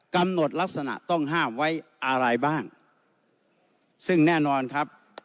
กำหนดลักษณะต้องห้ามไว้อะไรบ้างซึ่งแน่นอนครับ